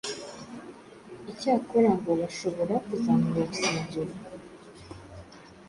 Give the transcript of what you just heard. icyakora ngo bashobora kuzamura uwo musemburo